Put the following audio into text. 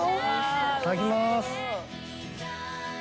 いただきます。